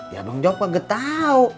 ya abang jawab gak tau